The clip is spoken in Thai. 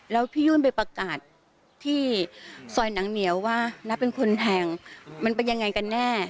แล้วพี่ยุ่นไปประกาศที่ซอยหนังเหนียวว่าน้าเป็นคนแทงมันเป็นยังไงกันแน่